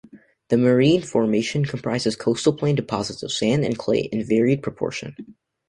The marine formation comprises coastal plain deposits of sand and clay in varied proportion.